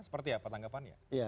seperti apa tanggapannya